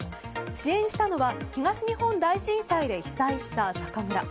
支援したのは東日本大震災で被災した酒蔵。